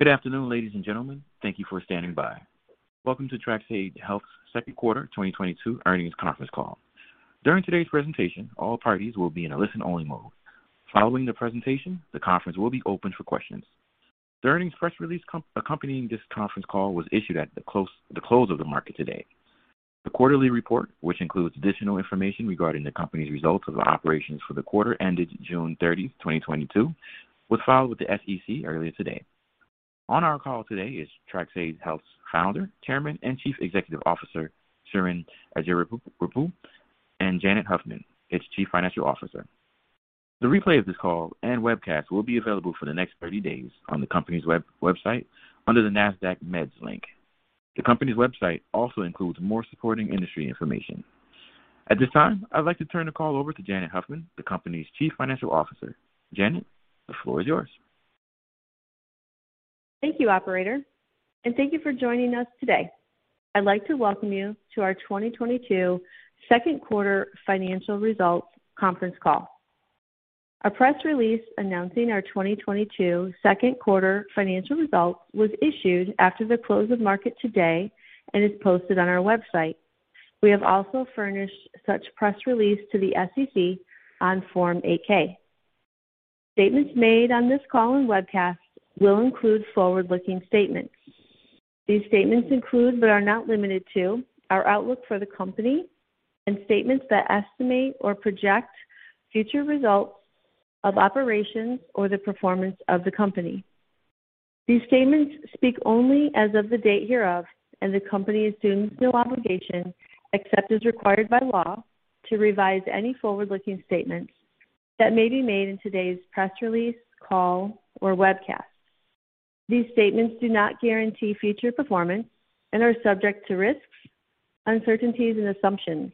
Good afternoon, ladies and gentlemen. Thank you for standing by. Welcome to TRxADE Health's second quarter 2022 earnings conference call. During today's presentation, all parties will be in a listen-only mode. Following the presentation, the conference will be opened for questions. The earnings press release accompanying this conference call was issued at the close of the market today. The quarterly report, which includes additional information regarding the company's results of operations for the quarter ended June 30, 2022, was filed with the SEC earlier today. On our call today is TRxADE Health's Founder, Chairman, and Chief Executive Officer, Suren Ajjarapu, and Janet Huffman, its Chief Financial Officer. The replay of this call and webcast will be available for the next 30 days on the company's website under the NASDAQ MEDS link. The company's website also includes more supporting industry information. At this time, I'd like to turn the call over to Janet Huffman, the company's Chief Financial Officer. Janet, the floor is yours. Thank you, operator, and thank you for joining us today. I'd like to welcome you to our 2022 second quarter financial results conference call. A press release announcing our 2022 second quarter financial results was issued after the close of market today and is posted on our website. We have also furnished such press release to the SEC on Form 8-K. Statements made on this call and webcast will include forward-looking statements. These statements include, but are not limited to, our outlook for the company and statements that estimate or project future results of operations or the performance of the company. These statements speak only as of the date hereof, and the company assumes no obligation, except as required by law, to revise any forward-looking statements that may be made in today's press release, call, or webcast. These statements do not guarantee future performance and are subject to risks, uncertainties, and assumptions.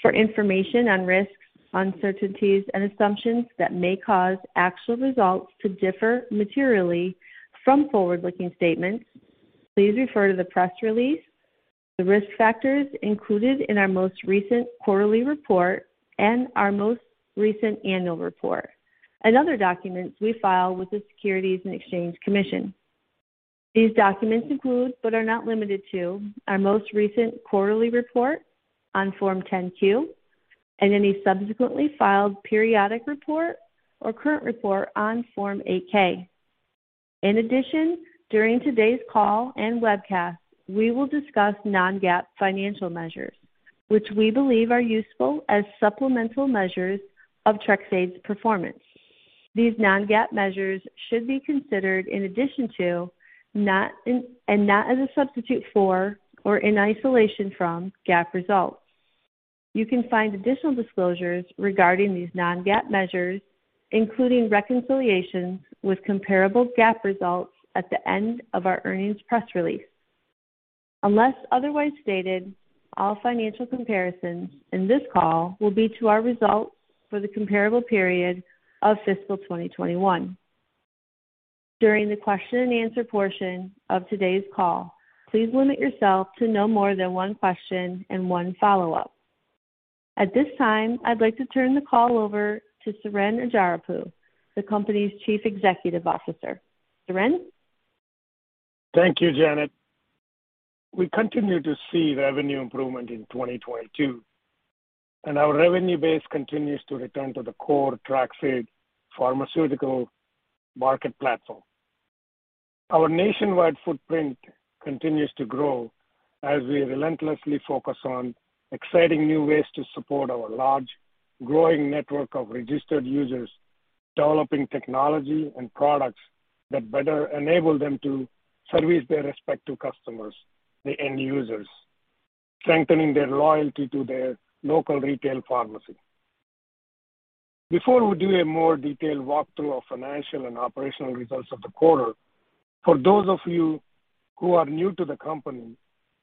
For information on risks, uncertainties, and assumptions that may cause actual results to differ materially from forward-looking statements, please refer to the press release, the risk factors included in our most recent quarterly report and our most recent annual report and other documents we file with the Securities and Exchange Commission. These documents include, but are not limited to, our most recent quarterly report on Form 10-Q and any subsequently filed periodic report or current report on Form 8-K. In addition, during today's call and webcast, we will discuss non-GAAP financial measures, which we believe are useful as supplemental measures of TRxADE's performance. These non-GAAP measures should be considered in addition to, not in, and not as a substitute for or in isolation from GAAP results. You can find additional disclosures regarding these non-GAAP measures, including reconciliations with comparable GAAP results, at the end of our earnings press release. Unless otherwise stated, all financial comparisons in this call will be to our results for the comparable period of fiscal 2021. During the question and answer portion of today's call, please limit yourself to no more than one question and one follow-up. At this time, I'd like to turn the call over to Suren Ajjarapu, the company's Chief Executive Officer. Suren? Thank you, Janet. We continue to see revenue improvement in 2022, and our revenue base continues to return to the core TRxADE pharmaceutical market platform. Our nationwide footprint continues to grow as we relentlessly focus on exciting new ways to support our large, growing network of registered users, developing technology and products that better enable them to service their respective customers, the end users, strengthening their loyalty to their local retail pharmacy. Before we do a more detailed walkthrough of financial and operational results of the quarter, for those of you who are new to the company,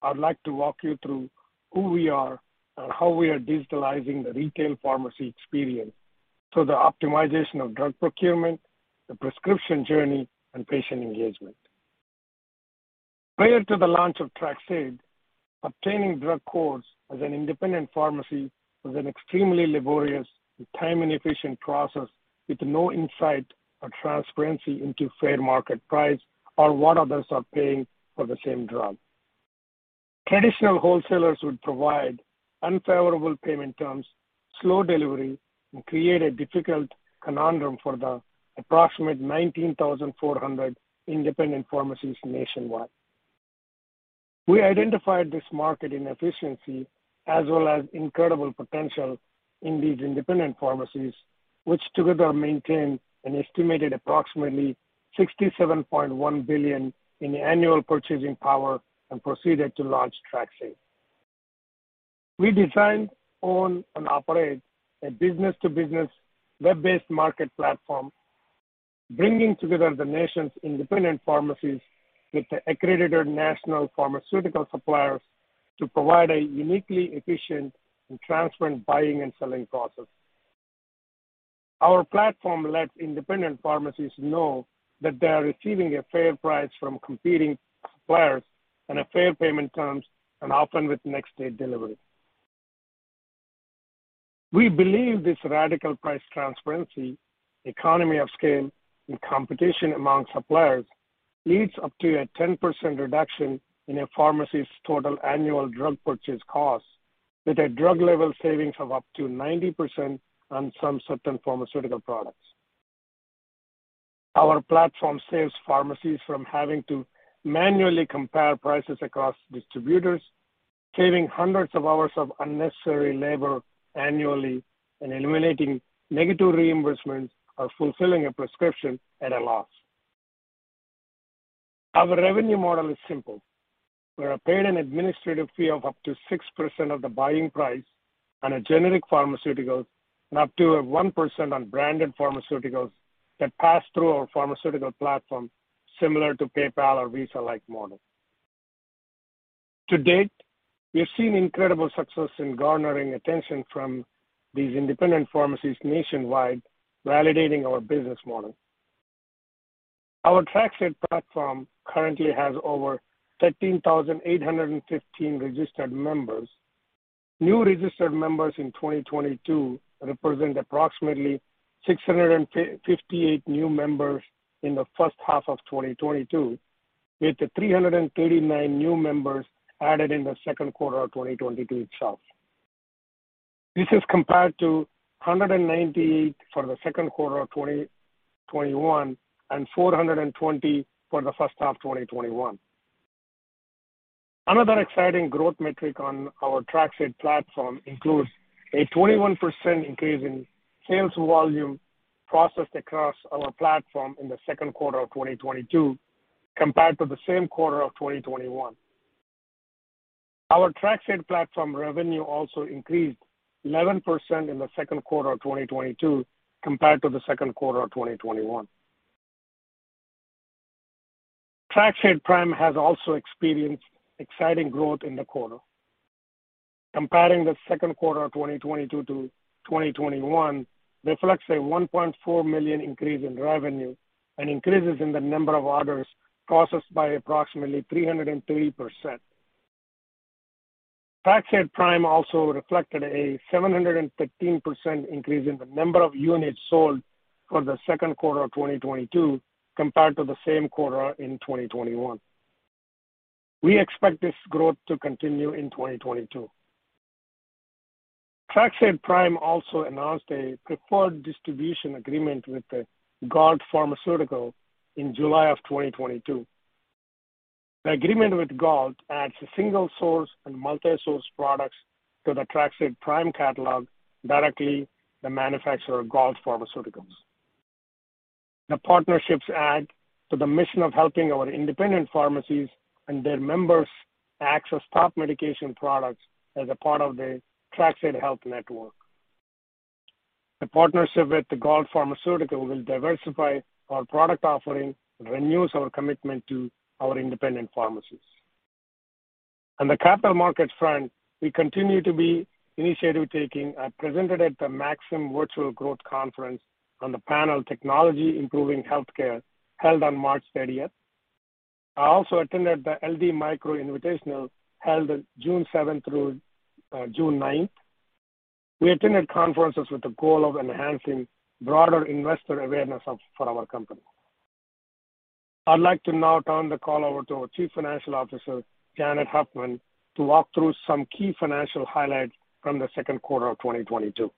I'd like to walk you through who we are and how we are digitalizing the retail pharmacy experience through the optimization of drug procurement, the prescription journey, and patient engagement. Prior to the launch of TRxADE, obtaining drug codes as an independent pharmacy was an extremely laborious and time-inefficient process with no insight or transparency into fair market price or what others are paying for the same drug. Traditional wholesalers would provide unfavorable payment terms, slow delivery, and create a difficult conundrum for the approximate 19,400 independent pharmacies nationwide. We identified this market inefficiency as well as incredible potential in these independent pharmacies, which together maintain an estimated approximately $67.1 billion in annual purchasing power, and proceeded to launch TRxADE. We designed, own, and operate a business-to-business web-based market platform, bringing together the nation's independent pharmacies with the accredited national pharmaceutical suppliers to provide a uniquely efficient and transparent buying and selling process. Our platform lets independent pharmacies know that they are receiving a fair price from competing suppliers and a fair payment terms and often with next day delivery. We believe this radical price transparency, economy of scale, and competition among suppliers leads up to a 10% reduction in a pharmacy's total annual drug purchase costs, with a drug-level savings of up to 90% on some certain pharmaceutical products. Our platform saves pharmacies from having to manually compare prices across distributors, saving hundreds of hours of unnecessary labor annually and eliminating negative reimbursements or fulfilling a prescription at a loss. Our revenue model is simple. We are paid an administrative fee of up to 6% of the buying price on a generic pharmaceutical and up to 1% on branded pharmaceuticals that pass through our pharmaceutical platform, similar to PayPal or Visa-like model. To date, we have seen incredible success in garnering attention from these independent pharmacies nationwide, validating our business model. Our TRxADE platform currently has over 13,815 registered members. New registered members in 2022 represent approximately 658 new members in the first half of 2022, with 339 new members added in the second quarter of 2022 itself. This is compared to 198 for the second quarter of 2021 and 420 for the first half of 2021. Another exciting growth metric on our TRxADE platform includes a 21% increase in sales volume processed across our platform in the second quarter of 2022 compared to the same quarter of 2021. Our TRxADE platform revenue also increased 11% in the second quarter of 2022 compared to the second quarter of 2021. TRxADE Prime has also experienced exciting growth in the quarter. Comparing the second quarter of 2022 to 2021 reflects a $1.4 million increase in revenue and increases in the number of orders processed by approximately 303%. TRxADE Prime also reflected a 713% increase in the number of units sold for the second quarter of 2022 compared to the same quarter in 2021. We expect this growth to continue in 2022. TRxADE Prime also announced a preferred distribution agreement with Galt Pharmaceuticals in July of 2022. The agreement with Galt adds single-source and multi-source products to the TRxADE Prime catalog directly to manufacturer Galt Pharmaceuticals. The partnerships add to the mission of helping our independent pharmacies and their members access top medication products as a part of the TRxADE Health Network. The partnership with the Galt Pharmaceuticals will diversify our product offering and renews our commitment to our independent pharmacies. On the capital market front, we continue to be proactive. I presented at the Maxim Virtual Growth Conference on the panel Technology Improving Healthcare, held on March thirtieth. I also attended the LD Micro Invitational, held June seventh through June ninth. We attended conferences with the goal of enhancing broader investor awareness of our company. I'd like to now turn the call over to our Chief Financial Officer, Janet Huffman, to walk through some key financial highlights from the second quarter of 2022.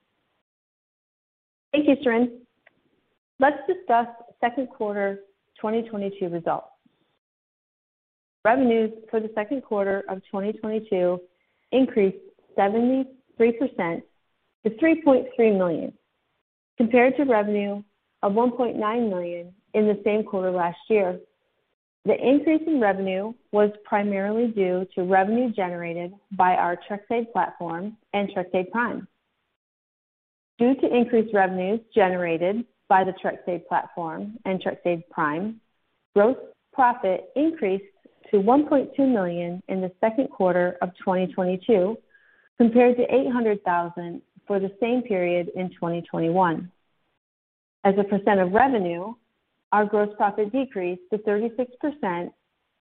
Thank you, Suren. Let's discuss second quarter 2022 results. Revenues for the second quarter of 2022 increased 73% to $3.3 million, compared to revenue of $1.9 million in the same quarter last year. The increase in revenue was primarily due to revenue generated by our TRxADE platform and TRxADE Prime. Due to increased revenues generated by the TRxADE platform and TRxADE Prime, gross profit increased to $1.2 million in the second quarter of 2022, compared to $800,000 for the same period in 2021. As a percent of revenue, our gross profit decreased to 36%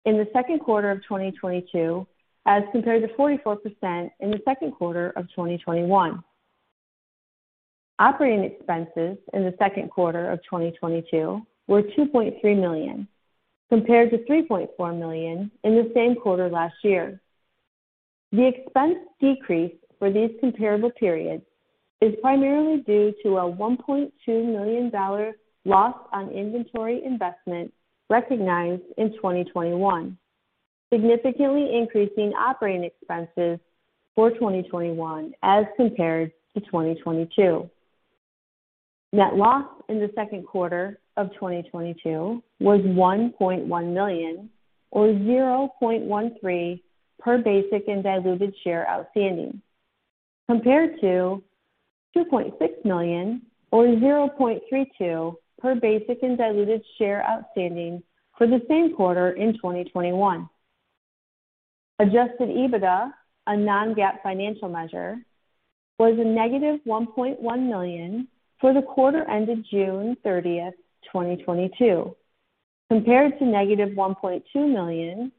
in the second quarter of 2022, as compared to 44% in the second quarter of 2021. Operating expenses in the second quarter of 2022 were $2.3 million, compared to $3.4 million in the same quarter last year. The expense decrease for these comparable periods is primarily due to a $1.2 million dollar loss on inventory investment recognized in 2021, significantly increasing operating expenses for 2021 as compared to 2022. Net loss in the second quarter of 2022 was $1.1 million or 0.13 per basic and diluted share outstanding, compared to $2.6 million or 0.32 per basic and diluted share outstanding for the same quarter in 2021. Adjusted EBITDA, a non-GAAP financial measure, was a negative $1.1 million for the quarter ended June 30, 2022. Compared to negative $1.2 million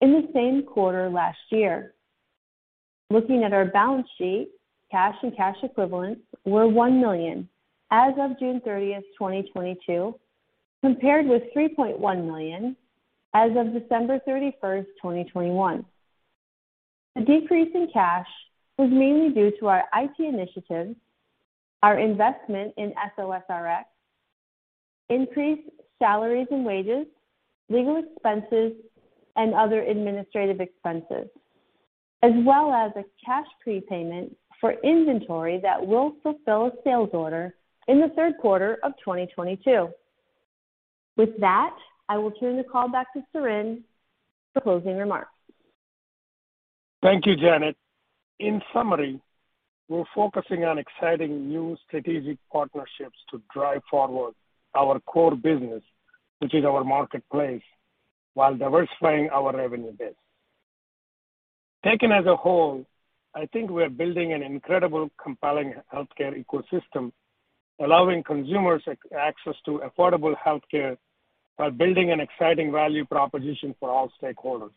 in the same quarter last year. Looking at our balance sheet, cash and cash equivalents were $1 million as of June 30, 2022, compared with $3.1 million as of December 31, 2021. The decrease in cash was mainly due to our IT initiatives, our investment in SOSRx, increased salaries and wages, legal expenses, and other administrative expenses, as well as a cash prepayment for inventory that will fulfill a sales order in the third quarter of 2022. With that, I will turn the call back to Suren for closing remarks. Thank you, Janet. In summary, we're focusing on exciting new strategic partnerships to drive forward our core business, which is our marketplace, while diversifying our revenue base. Taken as a whole, I think we are building an incredible, compelling healthcare ecosystem, allowing consumers access to affordable healthcare while building an exciting value proposition for all stakeholders.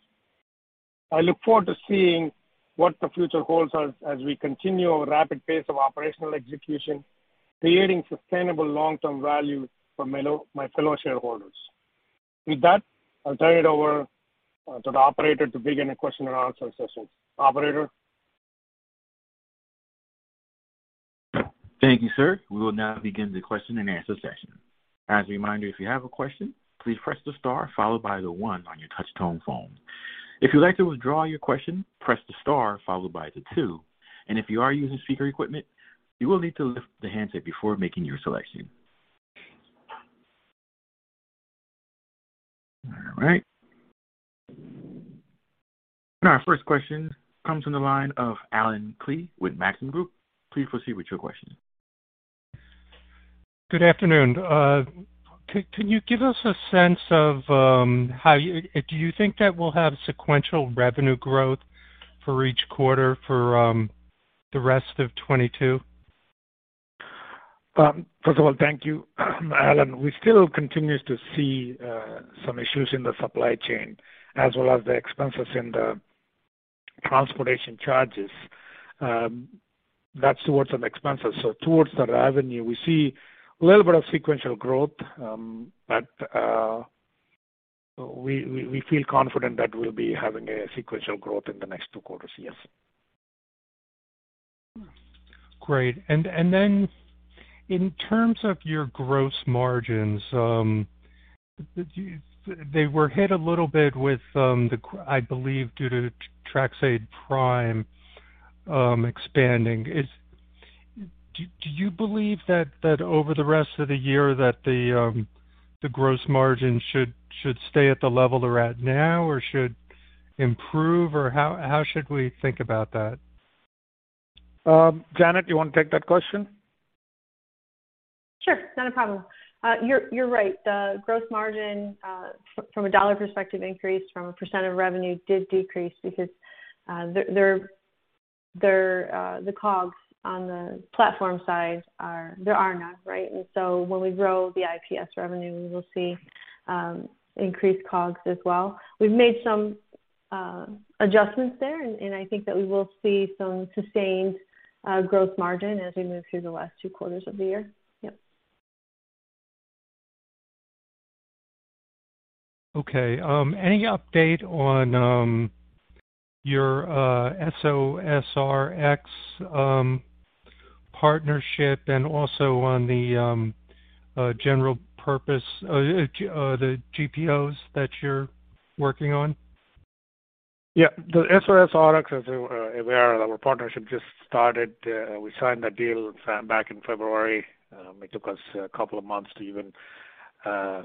I look forward to seeing what the future holds as we continue our rapid pace of operational execution, creating sustainable long-term value for my fellow shareholders. With that, I'll turn it over to the operator to begin the question and answer session. Operator? Thank you, sir. We will now begin the question and answer session. As a reminder, if you have a question, please press the star followed by the one on your touch tone phone. If you'd like to withdraw your question, press the star followed by the two, and if you are using speaker equipment, you will need to lift the handset before making your selection. All right. Our first question comes from the line of Allen Klee with Maxim Group. Please proceed with your question. Good afternoon. Do you think that we'll have sequential revenue growth for each quarter for the rest of 2022? First of all, thank you, Allen. We still continues to see some issues in the supply chain as well as the expenses in the transportation charges. That's towards some expenses. Towards the revenue we see a little bit of sequential growth. We feel confident that we'll be having a sequential growth in the next two quarters, yes. Great. Then in terms of your gross margins, they were hit a little bit with, I believe due to TRxADE Prime expanding. Do you believe that over the rest of the year the gross margin should stay at the level they're at now or should improve? How should we think about that? Janet, you wanna take that question? Sure. Not a problem. You're right. The gross margin from a dollar perspective increased. From a percent of revenue it did decrease because the COGS on the platform side are none, right? When we grow the IPS revenue, we will see increased COGS as well. We've made some adjustments there, and I think that we will see some sustained gross margin as we move through the last two quarters of the year. Yep. Okay. Any update on your SoSRx partnership and also on the GPOs that you're working on? Yeah. The SOSRx, as you are aware, our partnership just started. We signed the deal back in February. It took us a couple of months to even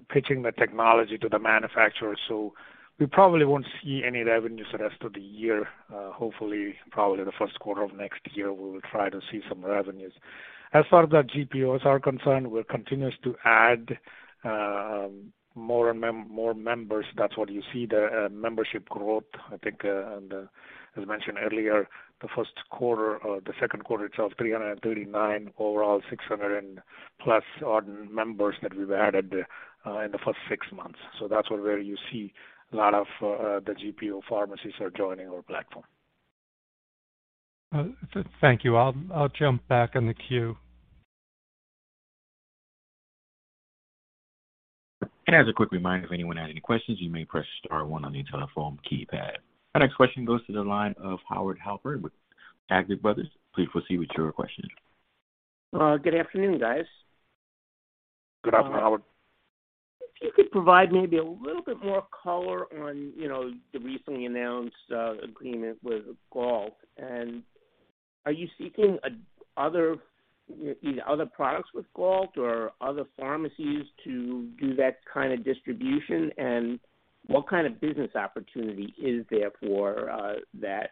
pitching the technology to the manufacturers. We probably won't see any revenues the rest of the year. Hopefully, probably the first quarter of next year, we will try to see some revenues. As far as our GPOs are concerned, we're continuing to add more members. That's what you see the membership growth. I think and as mentioned earlier, the first quarter, the second quarter itself, 339, overall 600+ members that we've added in the first six months. That's where you see a lot of the GPO pharmacies are joining our platform. Thank you. I'll jump back in the queue. As a quick reminder, if anyone had any questions, you may press star one on your telephone keypad. Our next question goes to the line of Howard Halpern with Taglich Brothers. Please proceed with your question. Good afternoon, guys. Good afternoon, Howard. If you could provide maybe a little bit more color on, you know, the recently announced agreement with Galt. Are you seeking other products with Galt or other pharmacies to do that kind of distribution? What kind of business opportunity is there for that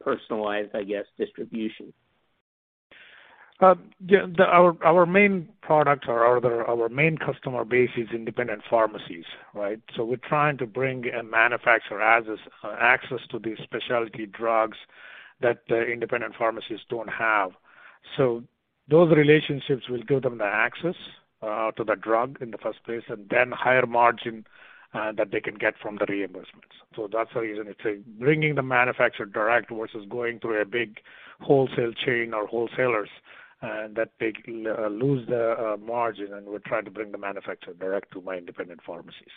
personalized, I guess, distribution? Our main product or our main customer base is independent pharmacies, right? We're trying to bring manufacturers access to these specialty drugs that independent pharmacies don't have. Those relationships will give them the access to the drug in the first place and then higher margin that they can get from the reimbursements. That's the reason it's bringing the manufacturer direct versus going through a big wholesale chain or wholesalers, and that they lose their margin, and we're trying to bring the manufacturer direct to my independent pharmacies.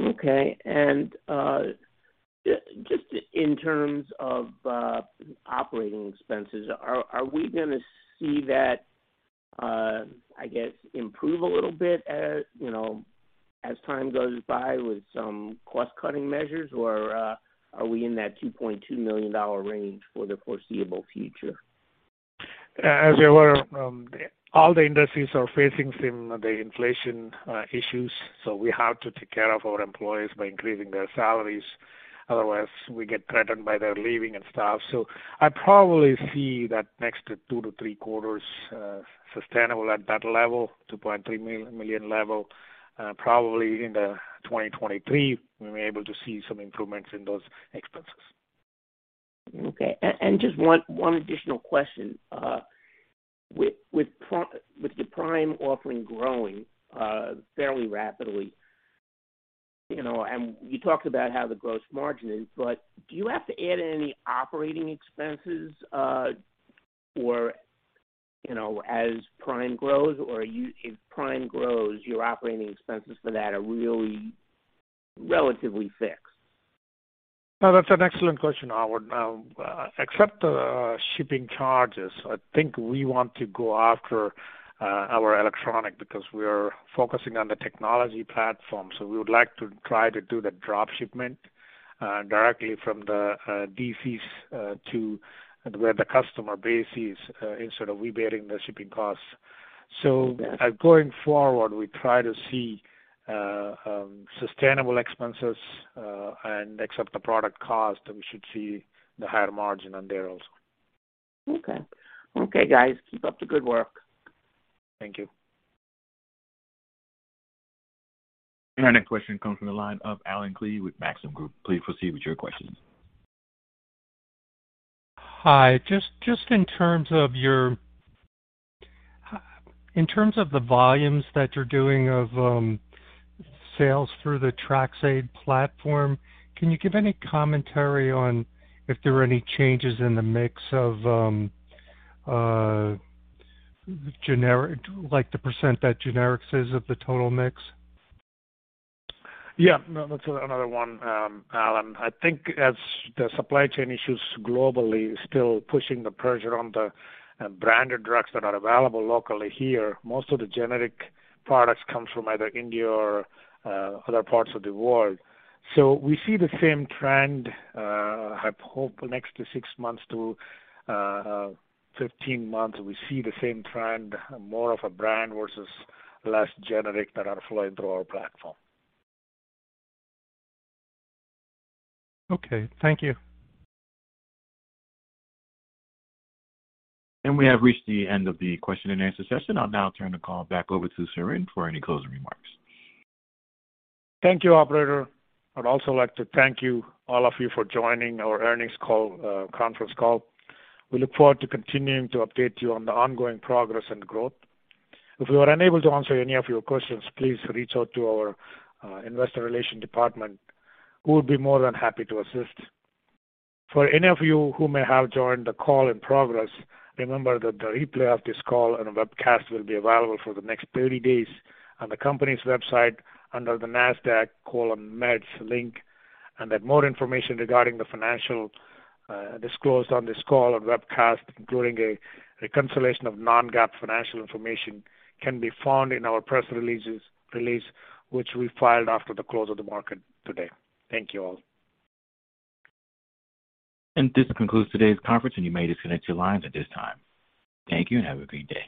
Okay. Just in terms of operating expenses, are we gonna see that improve a little bit as, you know, as time goes by with some cost-cutting measures or are we in that $2.2 million range for the foreseeable future? All the industries are facing some of the inflation issues, so we have to take care of our employees by increasing their salaries. Otherwise, we get threatened by their leaving and stuff. I probably see that next two to three quarters sustainable at that level, $2.3 million level. Probably in 2023, we may able to see some improvements in those expenses. Okay. Just one additional question. With Prime, with the Prime offering growing fairly rapidly, you know, and you talked about how the gross margin is, but do you have to add any operating expenses, or you know, as Prime grows? If Prime grows, your operating expenses for that are really relatively fixed. No, that's an excellent question, Howard. Except the shipping charges, I think we want to go after our electronic because we are focusing on the technology platform. We would like to try to do the drop shipment directly from the DCs to where the customer base is instead of we bearing the shipping costs. Going forward, we try to see sustainable expenses and except the product cost, we should see the higher margin on there also. Okay. Okay, guys. Keep up the good work. Thank you. Our next question comes from the line of Allen Klee with Maxim Group. Please proceed with your questions. Hi. In terms of the volumes that you're doing of sales through the TRxADE platform, can you give any commentary on if there are any changes in the mix of generics like the percent that generics is of the total mix? Yeah. No, that's another one, Allen. I think as the supply chain issues globally still pushing the pressure on the branded drugs that are available locally here, most of the generic products come from either India or other parts of the world. We see the same trend. I hope next to six months to 15 months, we see the same trend, more of a brand versus less generic that are flowing through our platform. Okay. Thank you. We have reached the end of the question and answer session. I'll now turn the call back over to Suren for any closing remarks. Thank you, operator. I'd also like to thank you, all of you, for joining our earnings call, conference call. We look forward to continuing to update you on the ongoing progress and growth. If we were unable to answer any of your questions, please reach out to our investor relation department, who will be more than happy to assist. For any of you who may have joined the call in progress, remember that the replay of this call and webcast will be available for the next 30 days on the company's website under the NASDAQ: MEDS link, and that more information regarding the financial disclosed on this call or webcast, including a reconciliation of non-GAAP financial information, can be found in our press release, which we filed after the close of the market today. Thank you all. This concludes today's conference, and you may disconnect your lines at this time. Thank you, and have a great day.